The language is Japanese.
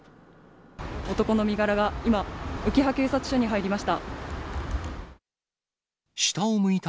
男の身柄が今、うきは警察署に入りました。